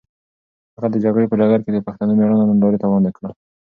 هغه د جګړې په ډګر کې د پښتنو مېړانه نندارې ته وړاندې کړه.